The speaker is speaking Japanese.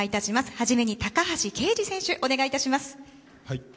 初めに高橋奎二選手お願いします。